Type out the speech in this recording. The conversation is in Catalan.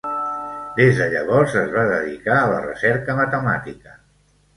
Des de llavors es va dedicar a la recerca matemàtica.